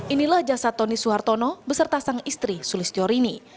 inilah jasa tony suhartono beserta sang istri sulistyorini